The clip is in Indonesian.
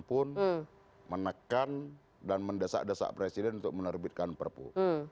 pun menekan dan mendesak desak presiden untuk menerbitkan perpu